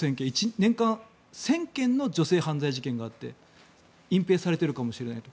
年間１０００件の女性犯罪事件があって隠ぺいされているかもしれないと。